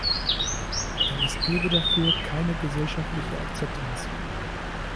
Denn es gebe dafür keine gesellschaftliche Akzeptanz.